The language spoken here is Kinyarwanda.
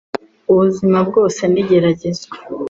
Ubuzima bwose ni igeragezwa.